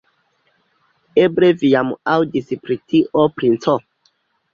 Eble vi jam aŭdis pri tio, princo?